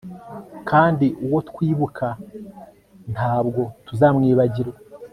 Kandi uwo twibuka ntaabwo tuzamwibagirwa